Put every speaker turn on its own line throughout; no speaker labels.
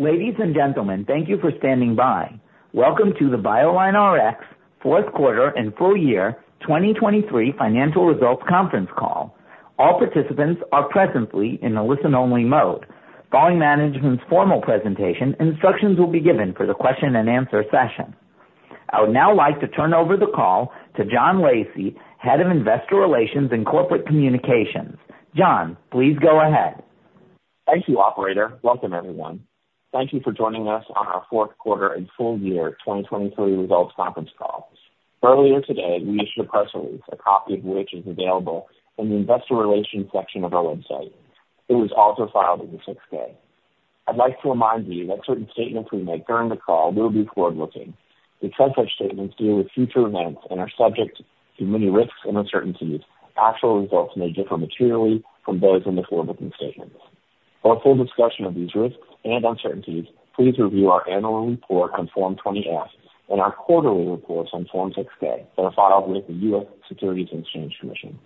Ladies and gentlemen, thank you for standing by. Welcome to the BioLineRx Fourth Quarter and Full Year 2023 Financial Results Conference call. All participants are presently in a listen-only mode. Following management's formal presentation, instructions will be given for the question-and-answer session. I would now like to turn over the call to John Lacey, Head of Investor Relations and Corporate Communications. John, please go ahead.
Thank you, Operator. Welcome, everyone. Thank you for joining us on Our Fourth Quarter and Full Year 2023 Results Conference Call. Earlier today, we issued a press release, a copy of which is available in the Investor Relations section of our website. It was also filed in the 6-K. I'd like to remind you that certain statements we make during the call will be forward-looking. Because such statements deal with future events and are subject to many risks and uncertainties, actual results may differ materially from those in the forward-looking statements. For a full discussion of these risks and uncertainties, please review our annual report on Form 20-F and our quarterly reports on Form 6-K that are filed with the U.S. Securities and Exchange Commission.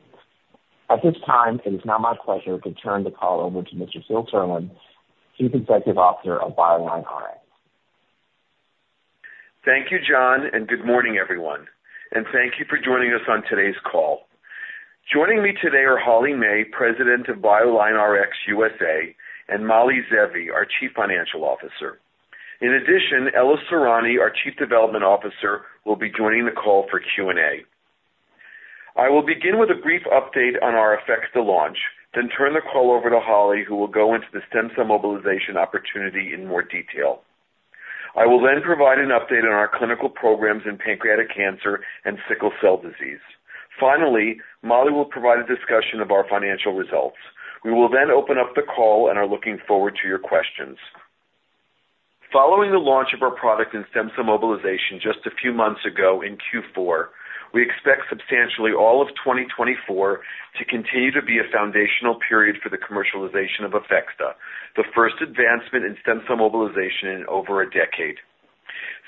At this time, it is now my pleasure to turn the call over to Mr. Phil Serlin, Chief Executive Officer of BioLineRx.
Thank you, John, and good morning, everyone. Thank you for joining us on today's call. Joining me today are Holly May, President of BioLineRx USA, and Mali Zeevi, our Chief Financial Officer. In addition, Ella Sorani, our Chief Development Officer, will be joining the call for Q&A. I will begin with a brief update on our efforts to launch, then turn the call over to Holly, who will go into the stem cell mobilization opportunity in more detail. I will then provide an update on our clinical programs in pancreatic cancer and sickle cell disease. Finally, Mali will provide a discussion of our financial results. We will then open up the call and are looking forward to your questions. Following the launch of our product in stem cell mobilization just a few months ago in Q4, we expect substantially all of 2024 to continue to be a foundational period for the commercialization of APHEXDA, the first advancement in stem cell mobilization in over a decade.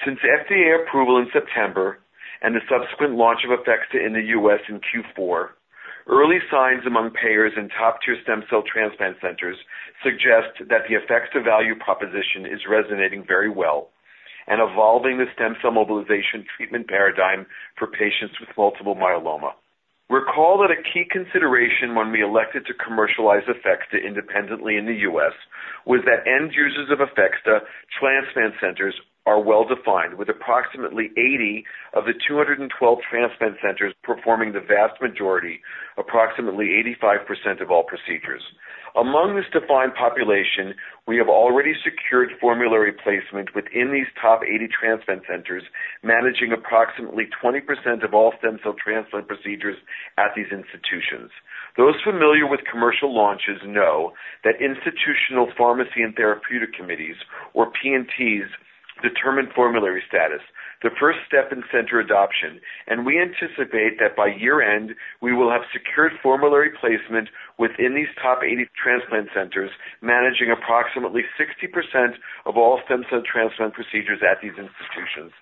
Since FDA approval in September and the subsequent launch of APHEXDA in the U.S. in Q4, early signs among payers and top-tier stem cell transplant centers suggest that the APHEXDA value proposition is resonating very well and evolving the stem cell mobilization treatment paradigm for patients with multiple myeloma. Recall that a key consideration when we elected to commercialize APHEXDA independently in the U.S. was that end users of APHEXDA transplant centers are well-defined, with approximately 80 of the 212 transplant centers performing the vast majority, approximately 85% of all procedures. Among this defined population, we have already secured formulary placement within these top 80 transplant centers, managing approximately 20% of all stem cell transplant procedures at these institutions. Those familiar with commercial launches know that institutional Pharmacy and Therapeutics committees, or P&Ts, determine formulary status, the first step in center adoption, and we anticipate that by year-end, we will have secured formulary placement within these top 80 transplant centers, managing approximately 60% of all stem cell transplant procedures at these institutions.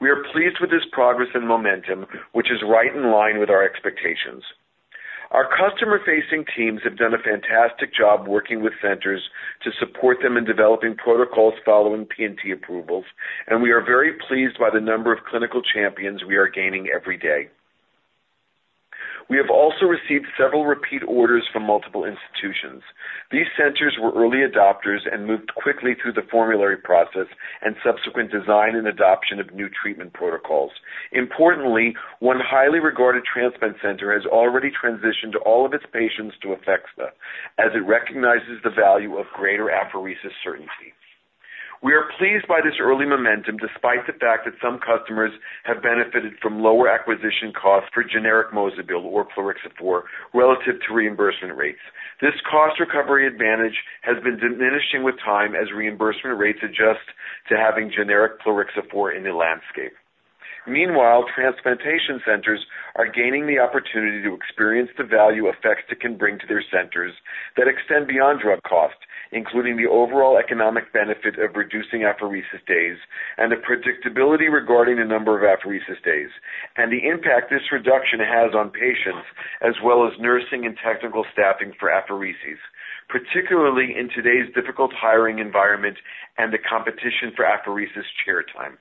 We are pleased with this progress and momentum, which is right in line with our expectations. Our customer-facing teams have done a fantastic job working with centers to support them in developing protocols following P&T approvals, and we are very pleased by the number of clinical champions we are gaining every day. We have also received several repeat orders from multiple institutions. These centers were early adopters and moved quickly through the formulary process and subsequent design and adoption of new treatment protocols. Importantly, one highly regarded transplant center has already transitioned all of its patients to APHEXDA, as it recognizes the value of greater apheresis certainty. We are pleased by this early momentum despite the fact that some customers have benefited from lower acquisition costs for generic Mozobil or plerixafor relative to reimbursement rates. This cost recovery advantage has been diminishing with time as reimbursement rates adjust to having generic plerixafor in the landscape. Meanwhile, transplantation centers are gaining the opportunity to experience the value APHEXDA can bring to their centers that extend beyond drug cost, including the overall economic benefit of reducing apheresis days and the predictability regarding the number of apheresis days and the impact this reduction has on patients as well as nursing and technical staffing for apheresis, particularly in today's difficult hiring environment and the competition for apheresis chair time.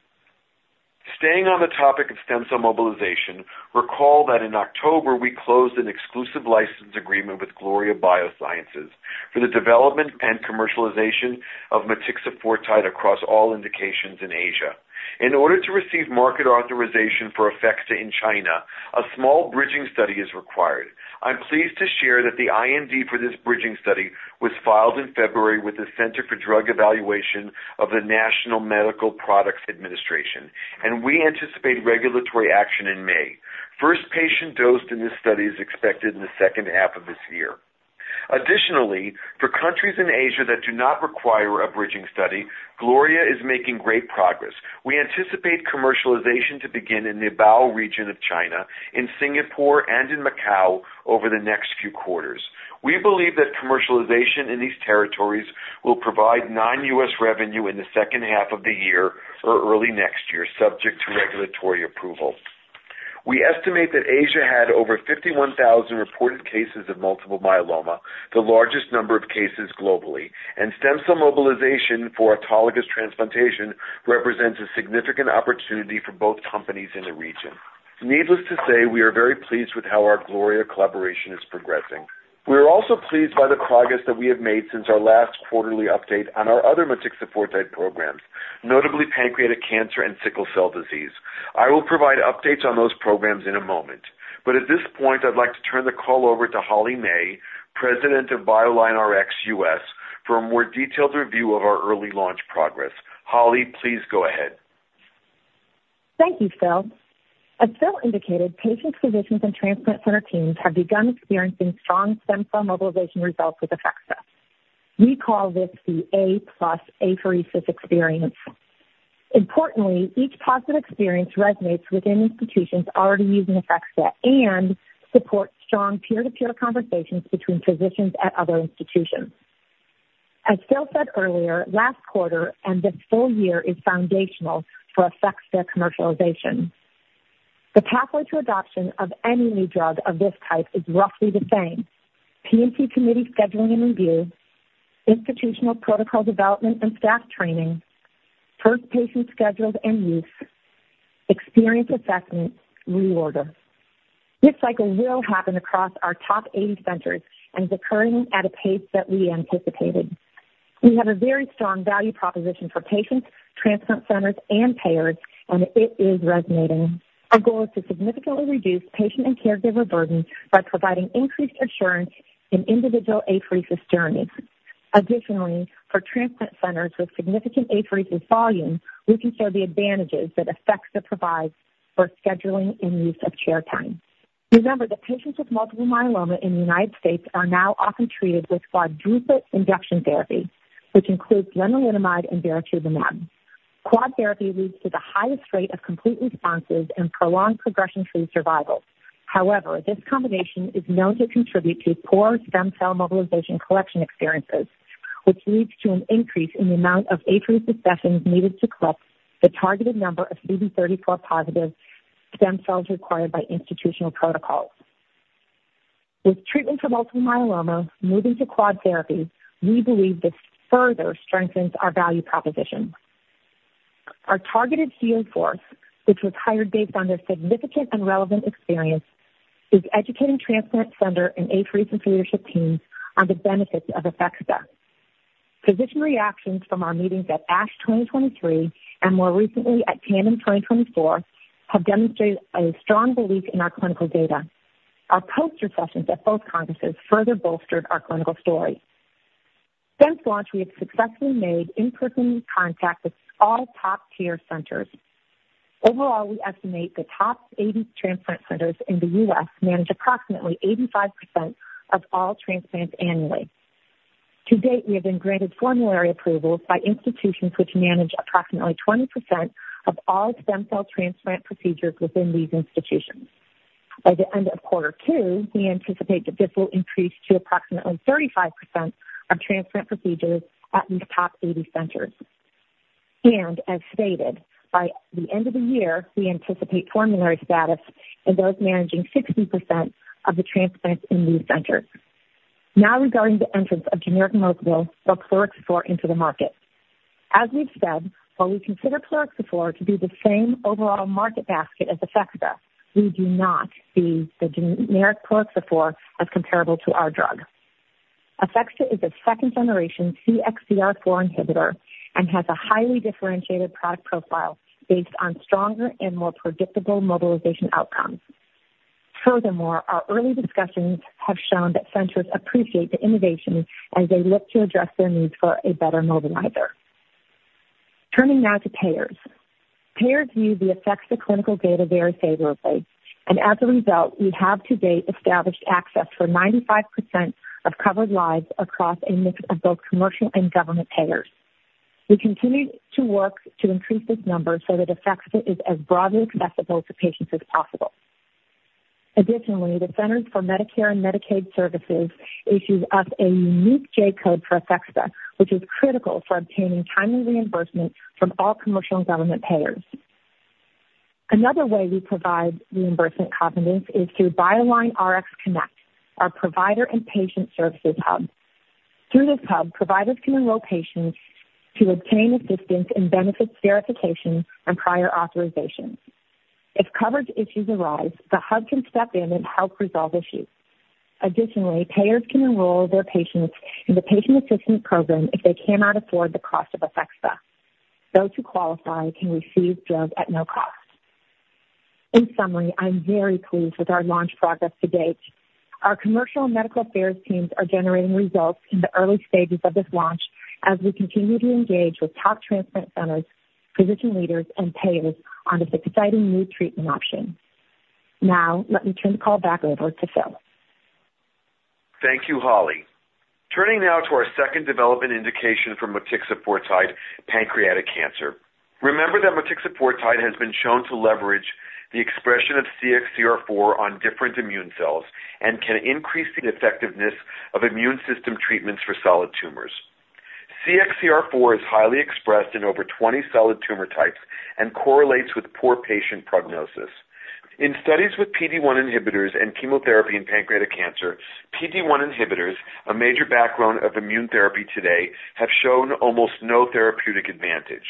Staying on the topic of stem cell mobilization, recall that in October we closed an exclusive license agreement with Gloria Biosciences for the development and commercialization of motixafortide across all indications in Asia. In order to receive market authorization for APHEXDA in China, a small bridging study is required. I'm pleased to share that the IND for this bridging study was filed in February with the Center for Drug Evaluation of the National Medical Products Administration, and we anticipate regulatory action in May. First patient dose in this study is expected in the second half of this year. Additionally, for countries in Asia that do not require a bridging study, Gloria is making great progress. We anticipate commercialization to begin in the Boao region of China, in Singapore, and in Macau over the next few quarters. We believe that commercialization in these territories will provide non-U.S. revenue in the second half of the year or early next year, subject to regulatory approval. We estimate that Asia had over 51,000 reported cases of multiple myeloma, the largest number of cases globally, and stem cell mobilization for autologous transplantation represents a significant opportunity for both companies in the region. Needless to say, we are very pleased with how our Gloria collaboration is progressing. We are also pleased by the progress that we have made since our last quarterly update on our other motixafortide programs, notably pancreatic cancer and sickle cell disease. I will provide updates on those programs in a moment. At this point, I'd like to turn the call over to Holly May, President of BioLineRx USA, for a more detailed review of our early launch progress. Holly, please go ahead.
Thank you, Phil. As Phil indicated, patients, physicians, and transplant center teams have begun experiencing strong stem cell mobilization results with APHEXDA. We call this the A+ apheresis experience. Importantly, each positive experience resonates within institutions already using APHEXDA and supports strong peer-to-peer conversations between physicians at other institutions. As Phil said earlier, last quarter and this full year is foundational for APHEXDA commercialization. The pathway to adoption of any new drug of this type is roughly the same: P&T committee scheduling and review, institutional protocol development and staff training, first patient schedules and use, experience assessment, reorder. This cycle will happen across our top 80 centers and is occurring at a pace that we anticipated. We have a very strong value proposition for patients, transplant centers, and payers, and it is resonating. Our goal is to significantly reduce patient and caregiver burden by providing increased assurance in individual apheresis journeys. Additionally, for transplant centers with significant apheresis volume, we can show the advantages that APHEXDA provides for scheduling and use of chair time. Remember that patients with multiple myeloma in the United States are now often treated with quadruple induction therapy, which includes lenalidomide and daratumumab. Quad therapy leads to the highest rate of complete responses and prolonged progression-free survival. However, this combination is known to contribute to poor stem cell mobilization collection experiences, which leads to an increase in the amount of apheresis sessions needed to collect the targeted number of CD34+ stem cells required by institutional protocols. With treatment for multiple myeloma moving to quad therapy, we believe this further strengthens our value proposition. Our targeted sales force, which was hired based on their significant and relevant experience, is educating transplant center and apheresis leadership teams on the benefits of APHEXDA. Physician reactions from our meetings at ASH 2023 and more recently at Tandem 2024 have demonstrated a strong belief in our clinical data. Our poster sessions at both congresses further bolstered our clinical story. Since launch, we have successfully made in-person contact with all top-tier centers. Overall, we estimate the top 80 transplant centers in the U.S. manage approximately 85% of all transplants annually. To date, we have been granted formulary approvals by institutions which manage approximately 20% of all stem cell transplant procedures within these institutions. By the end of quarter two, we anticipate that this will increase to approximately 35% of transplant procedures at these top 80 centers. As stated, by the end of the year, we anticipate formulary status in those managing 60% of the transplants in these centers. Now regarding the entrance of generic Mozobil or plerixafor into the market. As we've said, while we consider plerixafor to be the same overall market basket as APHEXDA, we do not see the generic plerixafor as comparable to our drug. APHEXDA is a second-generation CXCR4 inhibitor and has a highly differentiated product profile based on stronger and more predictable mobilization outcomes. Furthermore, our early discussions have shown that centers appreciate the innovation as they look to address their needs for a better mobilizer. Turning now to payers. Payers view the APHEXDA clinical data very favorably, and as a result, we have to date established access for 95% of covered lives across a mix of both commercial and government payers. We continue to work to increase this number so that APHEXDA is as broadly accessible to patients as possible. Additionally, the Centers for Medicare & Medicaid Services issues us a unique J-code for APHEXDA, which is critical for obtaining timely reimbursement from all commercial and government payers. Another way we provide reimbursement confidence is through BioLineRx Connect, our provider and patient services hub. Through this hub, providers can enroll patients to obtain assistance in benefits verification and prior authorization. If coverage issues arise, the hub can step in and help resolve issues. Additionally, payers can enroll their patients in the patient assistance program if they cannot afford the cost of APHEXDA. Those who qualify can receive drugs at no cost. In summary, I'm very pleased with our launch progress to date. Our commercial and medical affairs teams are generating results in the early stages of this launch as we continue to engage with top transplant centers, physician leaders, and payers on this exciting new treatment option. Now let me turn the call back over to Phil.
Thank you, Holly. Turning now to our second development indication for motixafortide pancreatic cancer. Remember that motixafortide has been shown to leverage the expression of CXCR4 on different immune cells and can increase the effectiveness of immune system treatments for solid tumors. CXCR4 is highly expressed in over 20 solid tumor types and correlates with poor patient prognosis. In studies with PD-1 inhibitors and chemotherapy in pancreatic cancer, PD-1 inhibitors, a major backbone of immune therapy today, have shown almost no therapeutic advantage.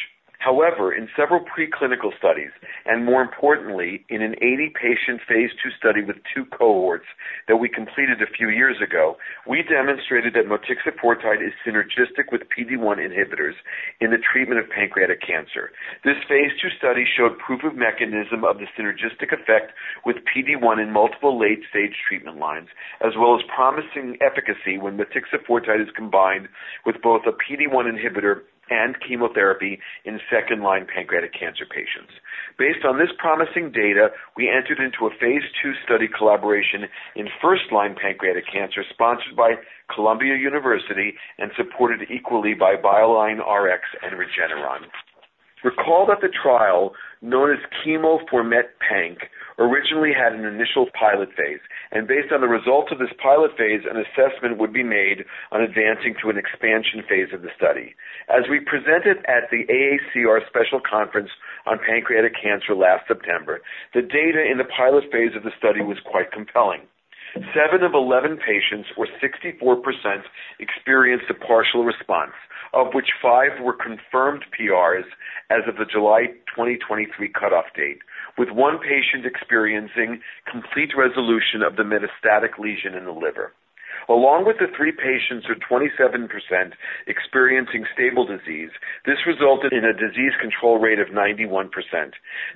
However, in several preclinical studies and more importantly, in an 80-patient phase II study with two cohorts that we completed a few years ago, we demonstrated that motixafortide is synergistic with PD-1 inhibitors in the treatment of pancreatic cancer. This phase II study showed proof of mechanism of the synergistic effect with PD-1 in multiple late-stage treatment lines as well as promising efficacy when motixafortide is combined with both a PD-1 inhibitor and chemotherapy in second-line pancreatic cancer patients. Based on this promising data, we entered into a phase II study collaboration in first-line pancreatic cancer sponsored by Columbia University and supported equally by BioLineRx and Regeneron. Recall that the trial known as CheMo4METPANC originally had an initial pilot phase, and based on the results of this pilot phase, an assessment would be made on advancing to an expansion phase of the study. As we presented at the AACR special conference on pancreatic cancer last September, the data in the pilot phase of the study was quite compelling. Seven of 11 patients, or 64%, experienced a partial response, of which five were confirmed PRs as of the July 2023 cutoff date, with one patient experiencing complete resolution of the metastatic lesion in the liver. Along with the three patients, or 27%, experiencing stable disease, this resulted in a disease control rate of 91%.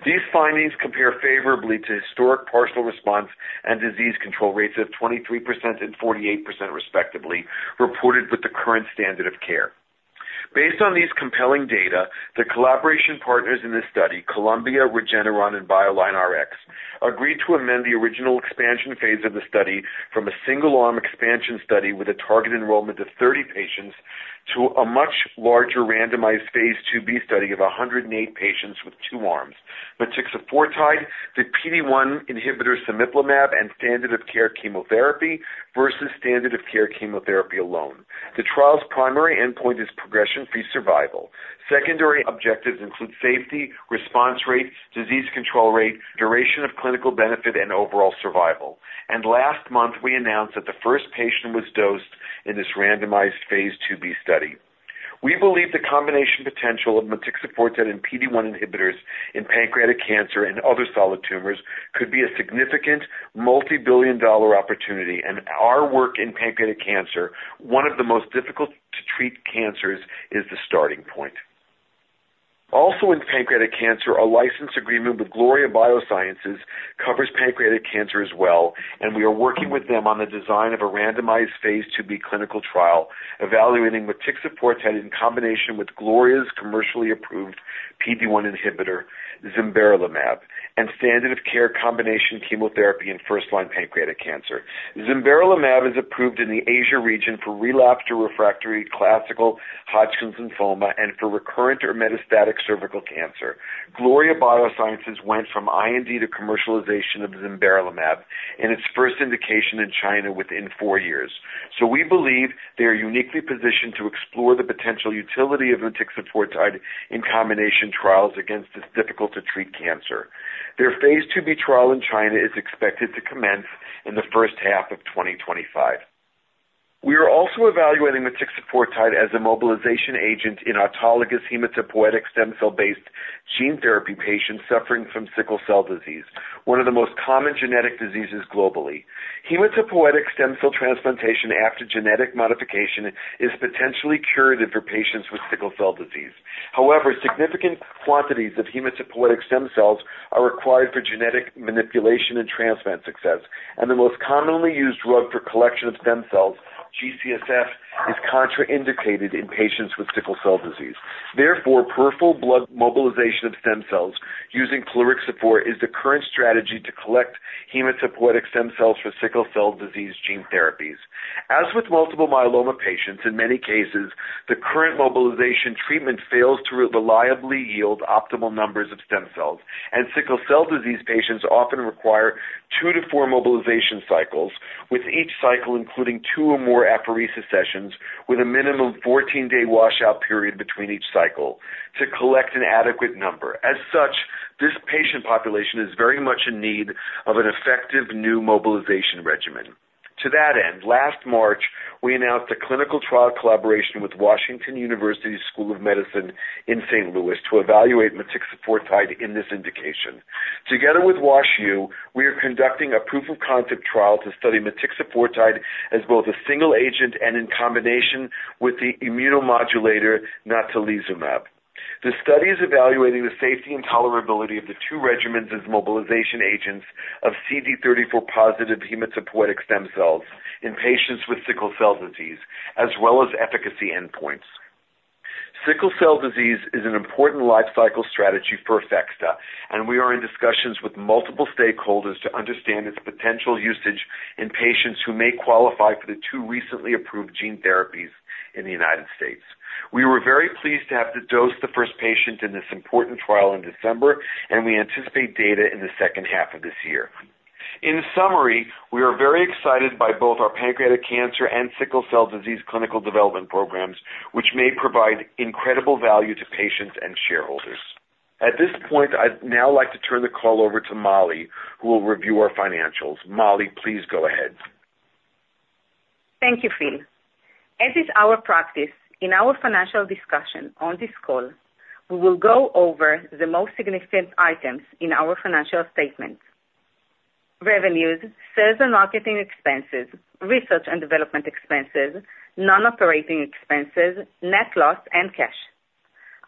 These findings compare favorably to historic partial response and disease control rates of 23% and 48% respectively, reported with the current standard of care. Based on these compelling data, the collaboration partners in this study, Columbia, Regeneron, and BioLineRx, agreed to amend the original expansion phase of the study from a single-arm expansion study with a target enrollment of 30 patients to a much larger randomized phase IIB study of 108 patients with two arms: motixafortide, the PD-1 inhibitor cemiplimab, and standard-of-care chemotherapy versus standard-of-care chemotherapy alone. The trial's primary endpoint is progression-free survival. Secondary objectives include safety, response rate, disease control rate, duration of clinical benefit, and overall survival. Last month, we announced that the first patient was dosed in this randomized phase IIb study. We believe the combination potential of motixafortide and PD-1 inhibitors in pancreatic cancer and other solid tumors could be a significant multi-billion dollar opportunity, and our work in pancreatic cancer, one of the most difficult-to-treat cancers, is the starting point. Also, in pancreatic cancer, a license agreement with Gloria Biosciences covers pancreatic cancer as well, and we are working with them on the design of a randomized phase IIb clinical trial evaluating motixafortide in combination with Gloria's commercially approved PD-1 inhibitor, zimberelimab, and standard-of-care combination chemotherapy in first-line pancreatic cancer. Zimberelimab is approved in the Asia region for relapsed or refractory classical Hodgkin's lymphoma and for recurrent or metastatic cervical cancer. Gloria Biosciences went from R&D to commercialization of zimberelimab in its first indication in China within four years. So we believe they are uniquely positioned to explore the potential utility of motixafortide in combination trials against this difficult-to-treat cancer. Their phase IIb trial in China is expected to commence in the first half of 2025. We are also evaluating motixafortide as a mobilization agent in autologous hematopoietic stem cell-based gene therapy patients suffering from sickle cell disease, one of the most common genetic diseases globally. Hematopoietic stem cell transplantation after genetic modification is potentially curative for patients with sickle cell disease. However, significant quantities of hematopoietic stem cells are required for genetic manipulation and transplant success, and the most commonly used drug for collection of stem cells, G-CSF, is contraindicated in patients with sickle cell disease. Therefore, peripheral blood mobilization of stem cells using plerixafor is the current strategy to collect hematopoietic stem cells for sickle cell disease gene therapies. As with multiple myeloma patients, in many cases, the current mobilization treatment fails to reliably yield optimal numbers of stem cells, and sickle cell disease patients often require two to four mobilization cycles, with each cycle including two or more apheresis sessions with a minimum 14-day washout period between each cycle to collect an adequate number. As such, this patient population is very much in need of an effective new mobilization regimen. To that end, last March, we announced a clinical trial collaboration with Washington University School of Medicine in St. Louis to evaluate motixafortide in this indication. Together with WashU, we are conducting a proof of concept trial to study motixafortide as both a single agent and in combination with the immunomodulator natalizumab. The study is evaluating the safety and tolerability of the two regimens as mobilization agents of CD34+ hematopoietic stem cells in patients with sickle cell disease, as well as efficacy endpoints. Sickle cell disease is an important lifecycle strategy for APHEXDA, and we are in discussions with multiple stakeholders to understand its potential usage in patients who may qualify for the two recently approved gene therapies in the United States. We were very pleased to have to dose the first patient in this important trial in December, and we anticipate data in the second half of this year. In summary, we are very excited by both our pancreatic cancer and sickle cell disease clinical development programs, which may provide incredible value to patients and shareholders. At this point, I'd now like to turn the call over to Mali, who will review our financials. Mali, please go ahead.
Thank you, Phil. As is our practice, in our financial discussion on this call, we will go over the most significant items in our financial statements: revenues, sales and marketing expenses, research and development expenses, non-operating expenses, net loss, and cash.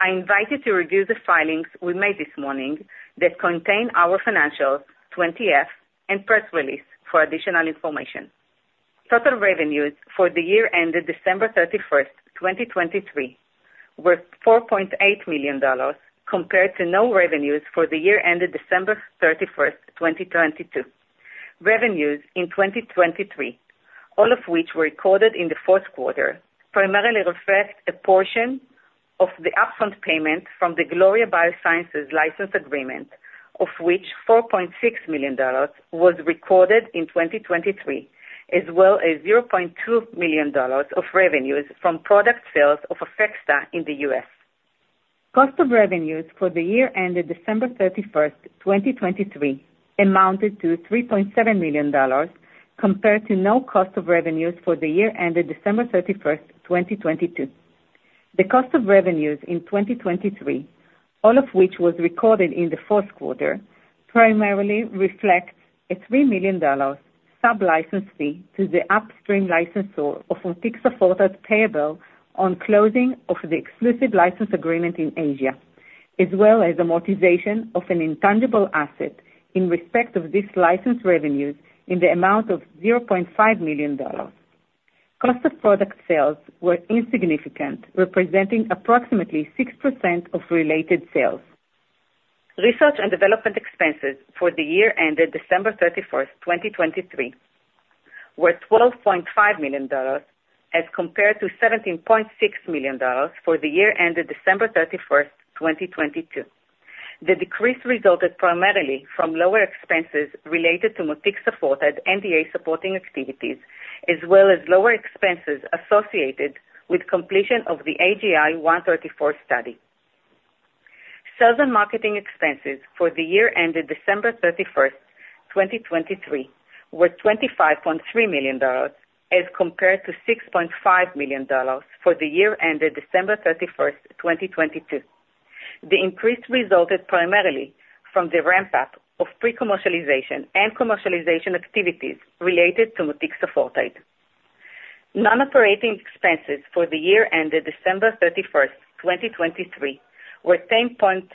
I invite you to review the filings we made this morning that contain our financials, 20-F, and press release for additional information. Total revenues for the year ended December 31st, 2023, were $4.8 million compared to no revenues for the year ended December 31st, 2022. Revenues in 2023, all of which were recorded in the fourth quarter, primarily reflect a portion of the upfront payment from the Gloria Biosciences license agreement, of which $4.6 million was recorded in 2023, as well as $0.2 million of revenues from product sales of APHEXDA in the U.S.. Cost of revenues for the year ended December 31st, 2023, amounted to $3.7 million compared to no cost of revenues for the year ended December 31st, 2022. The cost of revenues in 2023, all of which was recorded in the fourth quarter, primarily reflects a $3 million sublicense fee to the upstream licensor of motixafortide payable on closing of the exclusive license agreement in Asia, as well as amortization of an intangible asset in respect of these license revenues in the amount of $0.5 million. Cost of product sales were insignificant, representing approximately 6% of related sales. Research and development expenses for the year ended December 31st, 2023, were $12.5 million as compared to $17.6 million for the year ended December 31st, 2022. The decrease resulted primarily from lower expenses related to motixafortide NDA supporting activities, as well as lower expenses associated with completion of the AGI-134 study. Sales and marketing expenses for the year ended December 31st, 2023, were $25.3 million as compared to $6.5 million for the year ended December 31st, 2022. The increase resulted primarily from the ramp-up of pre-commercialization and commercialization activities related to motixafortide. Non-operating expenses for the year ended December 31st, 2023, were $10.8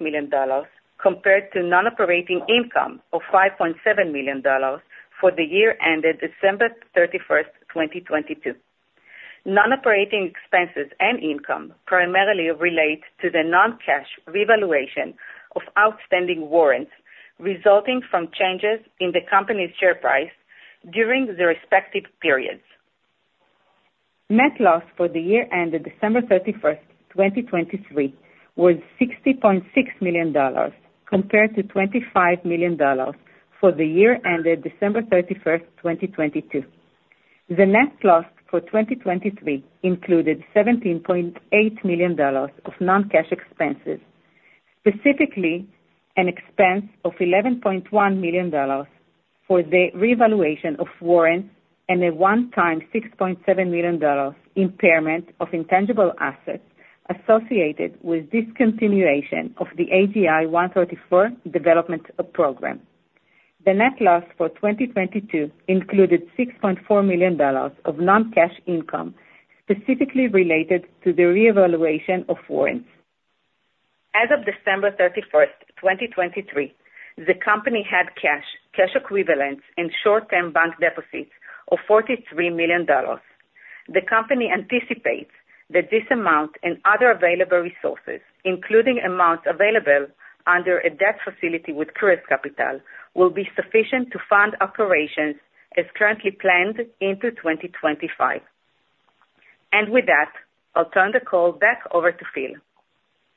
million compared to non-operating income of $5.7 million for the year ended December 31st, 2022. Non-operating expenses and income primarily relate to the non-cash revaluation of outstanding warrants resulting from changes in the company's share price during the respective periods. Net loss for the year ended December 31st, 2023, was $60.6 million compared to $25 million for the year ended December 31st, 2022. The net loss for 2023 included $17.8 million of non-cash expenses, specifically an expense of $11.1 million for the revaluation of warrants and a one-time $6.7 million impairment of intangible assets associated with discontinuation of the AGI-134 development program. The net loss for 2022 included $6.4 million of non-cash income specifically related to the reevaluation of warrants. As of December 31st, 2023, the company had cash, cash equivalents, and short-term bank deposits of $43 million. The company anticipates that this amount and other available resources, including amounts available under a debt facility with Kreos Capital, will be sufficient to fund operations as currently planned into 2025. And with that, I'll turn the call back over to Phil.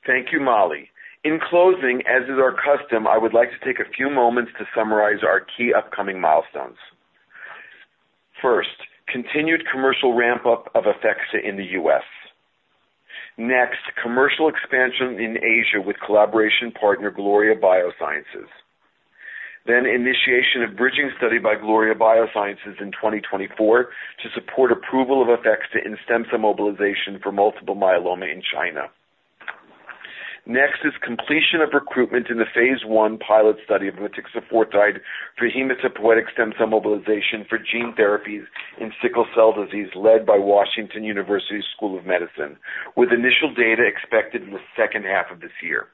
Thank you, Mali. In closing, as is our custom, I would like to take a few moments to summarize our key upcoming milestones. First, continued commercial ramp-up of APHEXDA in the U.S. Next, commercial expansion in Asia with collaboration partner Gloria Biosciences. Then, initiation of bridging study by Gloria Biosciences in 2024 to support approval of APHEXDA in stem cell mobilization for multiple myeloma in China. Next is completion of recruitment in the phase I pilot study of motixafortide for hematopoietic stem cell mobilization for gene therapies in sickle cell disease led by Washington University School of Medicine, with initial data expected in the second half of this year.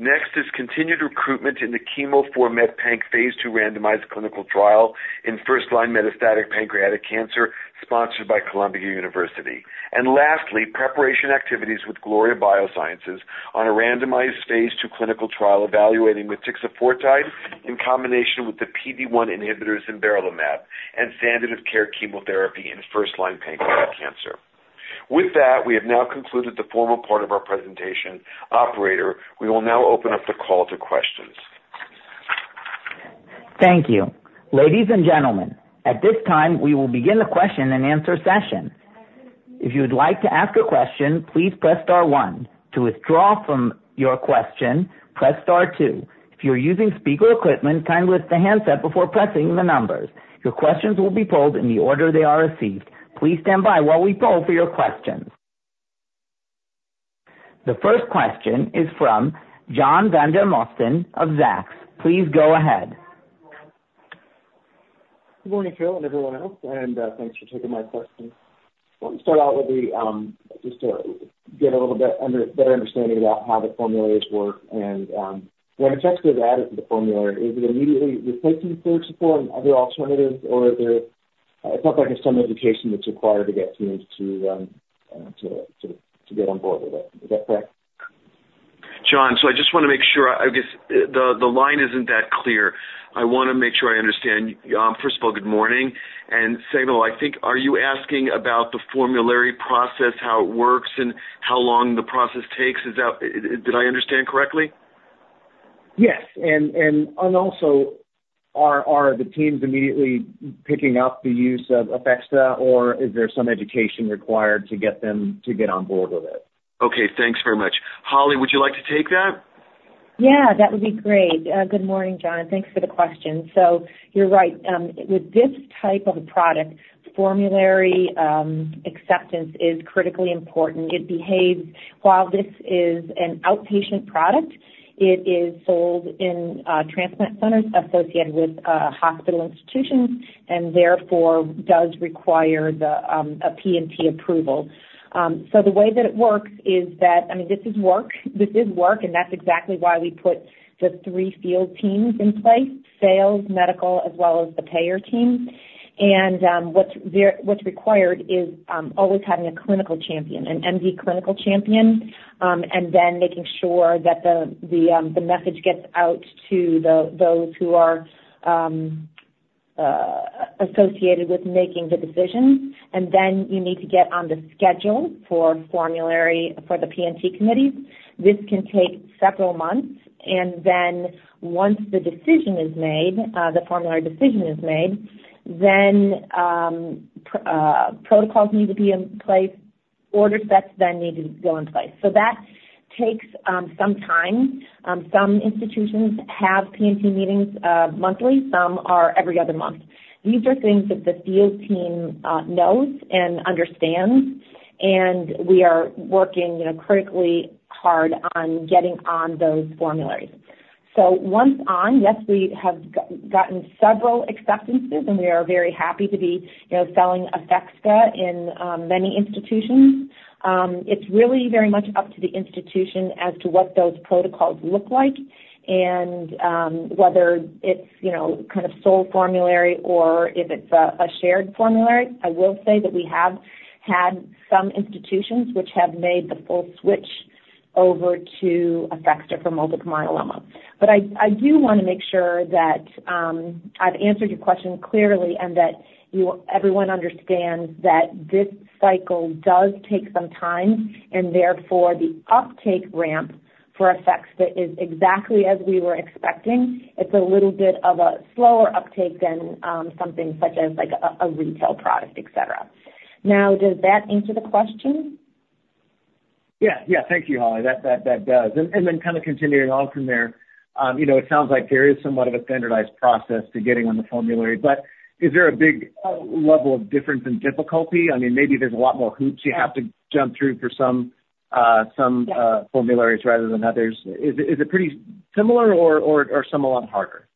Next is continued recruitment in the CheMo4METPANC phase II randomized clinical trial in first-line metastatic pancreatic cancer sponsored by Columbia University. And lastly, preparation activities with Gloria Biosciences on a randomized phase II clinical trial evaluating motixafortide in combination with the PD-1 inhibitors zimberelimab and standard-of-care chemotherapy in first-line pancreatic cancer. With that, we have now concluded the formal part of our presentation. Operator, we will now open up the call to questions.
Thank you. Ladies and gentlemen, at this time, we will begin the question and answer session. If you would like to ask a question, please press star one. To withdraw from your question, press star two. If you're using speaker equipment, kindly lift the handset before pressing the numbers. Your questions will be pulled in the order they are received. Please stand by while we pull for your questions. The first question is from John Vandermosten of Zacks. Please go ahead.
Good morning, Phil, and everyone else, and thanks for taking my question. I want to start out with just to get a little bit better understanding about how the formularies work. When APHEXDA is added to the formulary, is it immediately replacing G-CSF and other alternatives, or is there it sounds like there's some education that's required to get teams to get on board with it? Is that correct?
John, so I just want to make sure I guess the line isn't that clear. I want to make sure I understand. First of all, good morning. And second of all, I think are you asking about the formulary process, how it works, and how long the process takes? Did I understand correctly?
Yes. And also, are the teams immediately picking up the use of APHEXDA, or is there some education required to get them to get on board with it?
Okay. Thanks very much. Holly, would you like to take that?
Yeah, that would be great. Good morning, John. Thanks for the question. So you're right. With this type of a product, formulary acceptance is critically important. While this is an outpatient product, it is sold in transplant centers associated with hospital institutions and therefore does require a P&T approval. So the way that it works is that I mean, this is work, and that's exactly why we put the three field teams in place: sales, medical, as well as the payer team. And what's required is always having a clinical champion, an MD clinical champion, and then making sure that the message gets out to those who are associated with making the decision. And then you need to get on the schedule for the P&T committees. This can take several months. And then, once the decision is made, the formulary decision is made, then protocols need to be in place, order sets then need to go in place. So that takes some time. Some institutions have P&T meetings monthly. Some are every other month. These are things that the field team knows and understands, and we are working critically hard on getting on those formularies. So once on, yes, we have gotten several acceptances, and we are very happy to be selling APHEXDA in many institutions. It's really very much up to the institution as to what those protocols look like and whether it's kind of sole formulary or if it's a shared formulary. I will say that we have had some institutions which have made the full switch over to APHEXDA for multiple myeloma. But I do want to make sure that I've answered your question clearly and that everyone understands that this cycle does take some time. And therefore, the uptake ramp for APHEXDA is exactly as we were expecting. It's a little bit of a slower uptake than something such as a retail product, etc. Now, does that answer the question?
Yeah. Yeah. Thank you, Holly. That does. And then kind of continuing on from there, it sounds like there is somewhat of a standardized process to getting on the formulary. But is there a big level of difference in difficulty? I mean, maybe there's a lot more hoops you have to jump through for some formularies rather than others. Is it pretty similar or some a lot harder?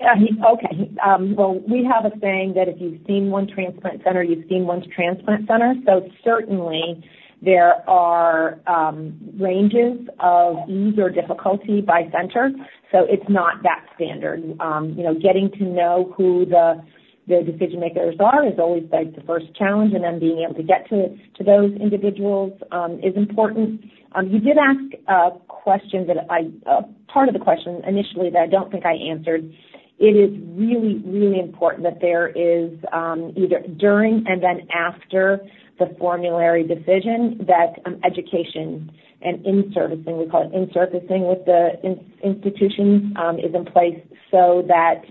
Yeah. Okay. Well, we have a saying that if you've seen one transplant center, you've seen one's transplant center. So certainly, there are ranges of ease or difficulty by center. So it's not that standard. Getting to know who the decision-makers are is always the first challenge, and then being able to get to those individuals is important. You did ask a question that I part of the question initially that I don't think I answered. It is really, really important that there is either during and then after the formulary decision that education and inservicing - we call it inservicing - with the institutions is in place so that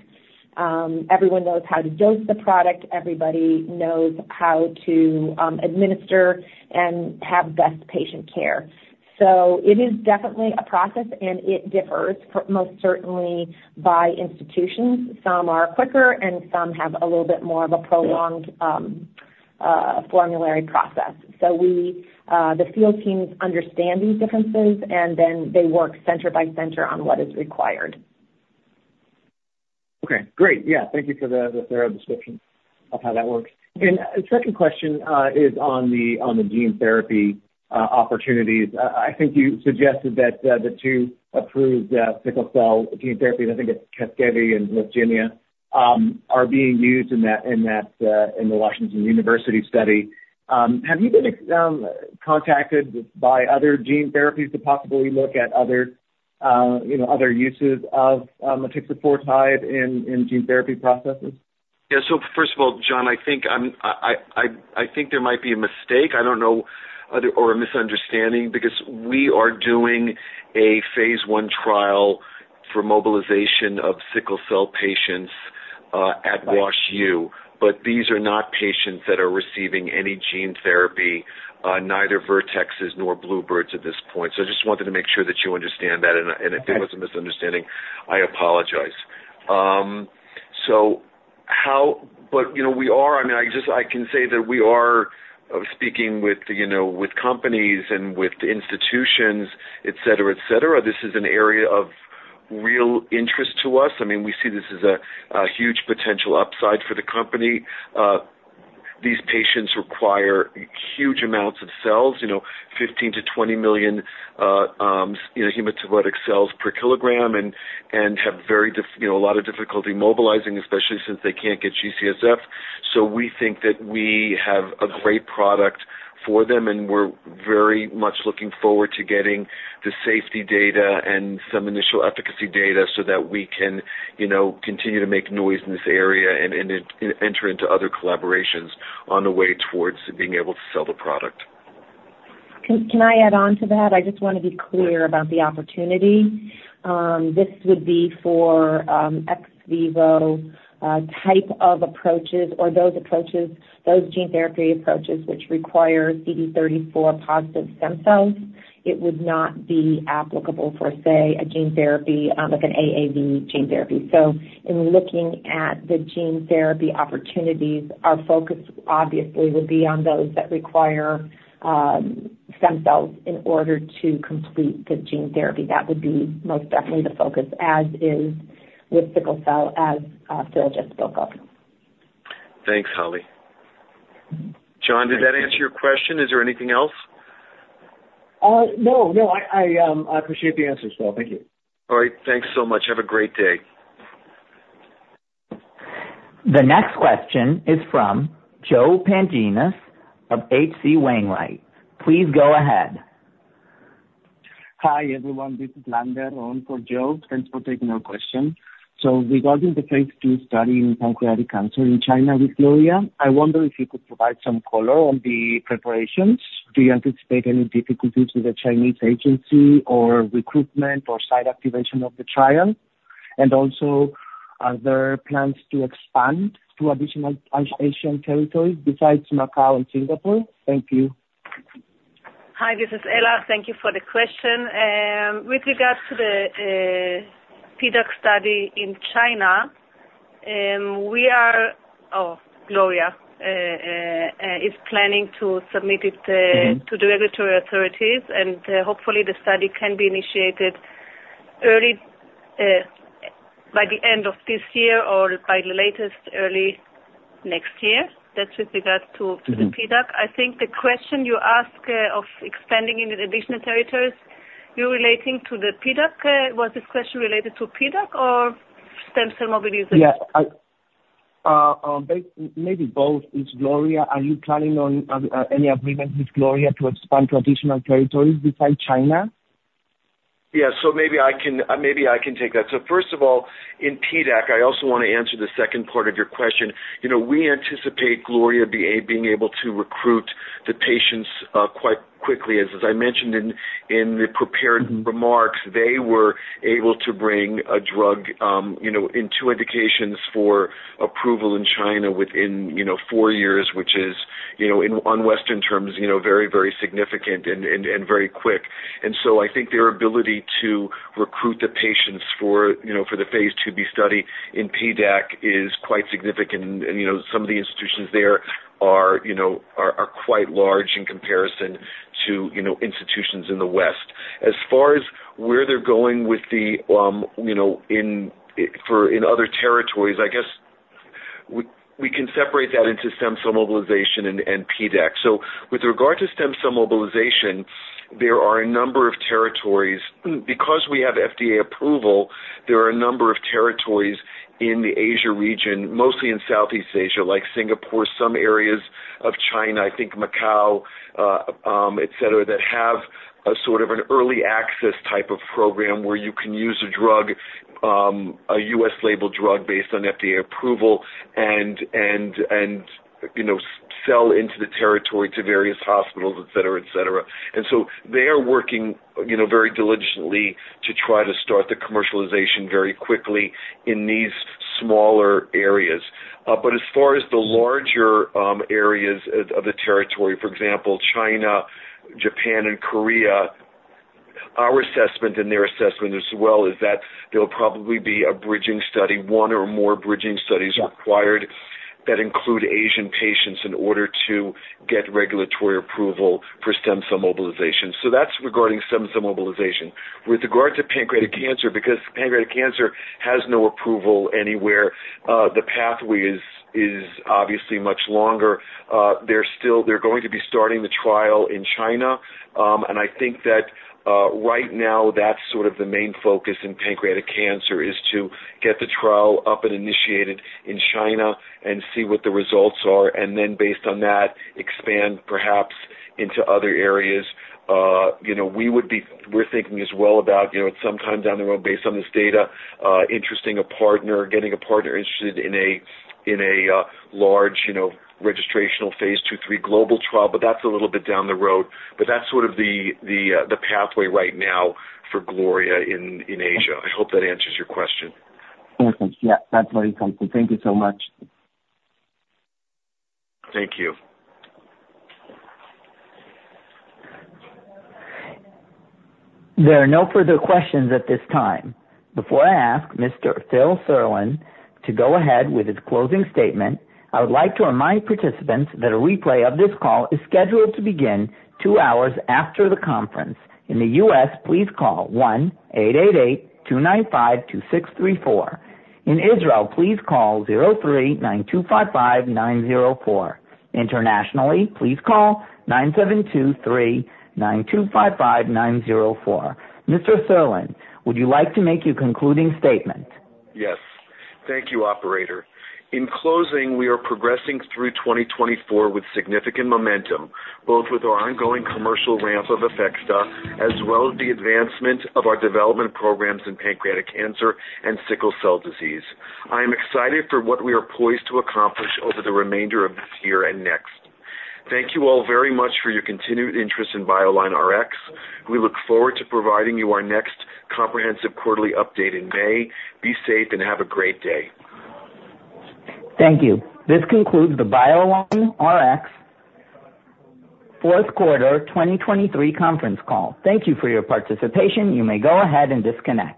everyone knows how to dose the product, everybody knows how to administer, and have best patient care. So it is definitely a process, and it differs most certainly by institutions. Some are quicker, and some have a little bit more of a prolonged formulary process. The field teams understand these differences, and then they work center by center on what is required.
Okay. Great. Yeah. Thank you for the thorough description of how that works. The second question is on the gene therapy opportunities. I think you suggested that the two approved sickle cell gene therapies, I think it's Casgevy and Lyfgenia, are being used in the Washington University study. Have you been contacted by other gene therapies to possibly look at other uses of motixafortide in gene therapy processes?
Yeah. So first of all, John, I think there might be a mistake. I don't know or a misunderstanding because we are doing a phase I trial for mobilization of sickle cell patients at WashU, but these are not patients that are receiving any gene therapy, neither Vertex's nor Bluebird's at this point. So I just wanted to make sure that you understand that. And if there was a misunderstanding, I apologize. But we are I mean, I can say that we are speaking with companies and with institutions, etc., etc. This is an area of real interest to us. I mean, we see this as a huge potential upside for the company. These patients require huge amounts of cells, 15-20 million hematopoietic cells per kilogram, and have a lot of difficulty mobilizing, especially since they can't get G-CSF. So we think that we have a great product for them, and we're very much looking forward to getting the safety data and some initial efficacy data so that we can continue to make noise in this area and enter into other collaborations on the way towards being able to sell the product.
Can I add on to that? I just want to be clear about the opportunity. This would be for ex vivo type of approaches or those gene therapy approaches which require CD34+ stem cells. It would not be applicable for, say, a gene therapy like an AAV gene therapy. So in looking at the gene therapy opportunities, our focus obviously would be on those that require stem cells in order to complete the gene therapy. That would be most definitely the focus, as is with sickle cell, as Phil just spoke of.
Thanks, Holly. John, did that answer your question? Is there anything else?
No. No. I appreciate the answers, Phil. Thank you.
All right. Thanks so much. Have a great day.
The next question is from Joe Pantginis of H.C. Wainwright. Please go ahead.
Hi, everyone. This is Lander, on for Joe. Thanks for taking our question. So regarding the phase II study in pancreatic cancer in China with Gloria, I wonder if you could provide some color on the preparations. Do you anticipate any difficulties with the Chinese agency or recruitment or site activation of the trial? And also, are there plans to expand to additional Asian territories besides Macau and Singapore? Thank you.
Hi. This is Ella. Thank you for the question. With regard to the PDAC study in China, we are, Gloria is planning to submit it to the regulatory authorities, and hopefully, the study can be initiated by the end of this year or by the latest early next year. That's with regard to the PDAC. I think the question you asked of expanding in additional territories, you're relating to the PDAC. Was this question related to PDAC or stem cell mobilization?
Yeah. Maybe both. It's Gloria. Are you planning on any agreement with Gloria to expand to additional territories besides China?
Yeah. So maybe I can take that. So first of all, in PDAC, I also want to answer the second part of your question. We anticipate Gloria being able to recruit the patients quite quickly. As I mentioned in the prepared remarks, they were able to bring a drug in two indications for approval in China within four years, which is, in Western terms, very, very significant and very quick. And so I think their ability to recruit the patients for the phase IIB study in PDAC is quite significant. And some of the institutions there are quite large in comparison to institutions in the West. As far as where they're going with it in other territories, I guess we can separate that into stem cell mobilization and PDAC. So with regard to stem cell mobilization, there are a number of territories because we have FDA approval, there are a number of territories in the Asia region, mostly in Southeast Asia, like Singapore, some areas of China, I think Macau, etc., that have a sort of an early access type of program where you can use a U.S.-labeled drug based on FDA approval and sell into the territory to various hospitals, etc., etc. And so they are working very diligently to try to start the commercialization very quickly in these smaller areas. But as far as the larger areas of the territory, for example, China, Japan, and Korea, our assessment and their assessment as well is that there will probably be a bridging study, one or more bridging studies required that include Asian patients in order to get regulatory approval for stem cell mobilization. So that's regarding stem cell mobilization. With regard to pancreatic cancer, because pancreatic cancer has no approval anywhere, the pathway is obviously much longer. They're going to be starting the trial in China. And I think that right now, that's sort of the main focus in pancreatic cancer, is to get the trial up and initiated in China and see what the results are, and then based on that, expand perhaps into other areas. We're thinking as well about at some time down the road, based on this data, interesting a partner, getting a partner interested in a large registrational phase III global trial. But that's a little bit down the road. But that's sort of the pathway right now for Gloria in Asia. I hope that answers your question.
Perfect. Yeah. That's very helpful. Thank you so much.
Thank you.
There are no further questions at this time. Before I ask Mr. Philip Serlin to go ahead with his closing statement, I would like to remind participants that a replay of this call is scheduled to begin two hours after the conference. In the U.S., please call 1-888-295-2634. In Israel, please call 03-9255904. Internationally, please call 972-392-55904. Mr. Serlin, would you like to make your concluding statement?
Yes. Thank you, operator. In closing, we are progressing through 2024 with significant momentum, both with our ongoing commercial ramp of APHEXDA as well as the advancement of our development programs in pancreatic cancer and sickle cell disease. I am excited for what we are poised to accomplish over the remainder of this year and next. Thank you all very much for your continued interest in BioLineRx. We look forward to providing you our next comprehensive quarterly update in May. Be safe and have a great day.
Thank you. This concludes the BioLineRx Fourth Quarter 2023 Conference Call. Thank you for your participation. You may go ahead and disconnect.